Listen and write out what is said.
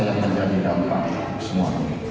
saya mencari dampak semua